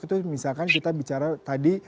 itu misalkan kita bicara tadi